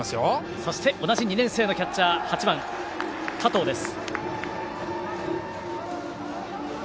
そして、同じ２年生のキャッチャー８番、加藤です。